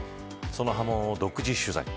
その波紋を独自取材。